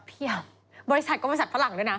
บริษัทก็บริษัทฝรั่งด้วยนะ